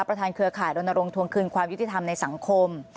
ประธานเครือข่ายโรนโลงทวงคืนความยุติธรรมในสังคม